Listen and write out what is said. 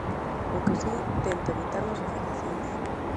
O que si, tento evitar masificacións.